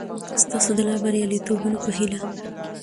ستاسو د لا بریالیتوبونو په هیله!